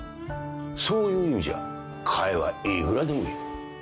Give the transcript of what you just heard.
そういう意味じゃかえはいくらでもいる。